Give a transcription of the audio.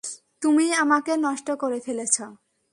তুমিই আমাকে নষ্ট করে ফেলেছো।